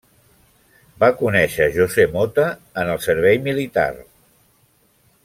Va conèixer José Mota en el Servei Militar.